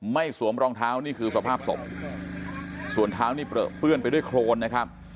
สวมรองเท้านี่คือสภาพศพส่วนเท้านี่เปลือเปื้อนไปด้วยโครนนะครับ